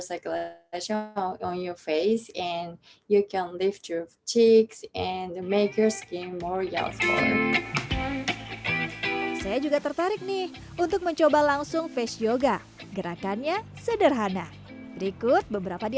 saya juga tertarik nih untuk mencoba langsung face yoga gerakannya sederhana berikut beberapa di